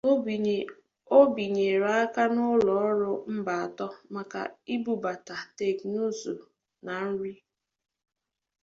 O binyere aka na ụlọ ọrụ mba atọ maka ibubata teknụzụ na nri.